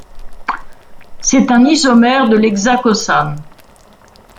C'est un isomère de l'hexacosane.